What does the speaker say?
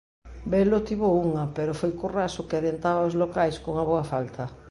Velo tivo unha pero foi Currás o que adiantaba aos locais cunha boa falta.